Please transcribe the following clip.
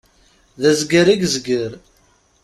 D azgar i yezger.